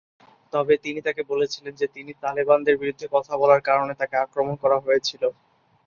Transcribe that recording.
তবে তিনি তাকে বলেছিলেন যে তিনি তালেবানদের বিরুদ্ধে কথা বলার কারণে তাকে আক্রমণ করা হয়েছিল।